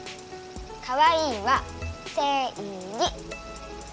かわいいはせいぎ！